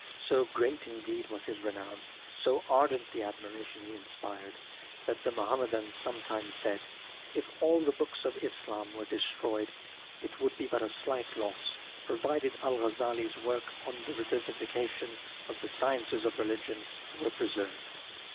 So great, indeed, was his renown, so ardent the admiration he inspired, that the Muhammedans sometimes said : "If all the books of Islam were destroyed, it would be but a slight loss, provided Al Ghazzali' s work on the Revivification of the Sciences of Religion were preserved."